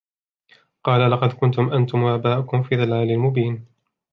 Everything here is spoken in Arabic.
قال لقد كنتم أنتم وآباؤكم في ضلال مبين